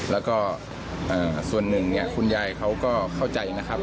แล้วก็ส่วนหนึ่งเนี่ยคุณยายเขาก็เข้าใจนะครับ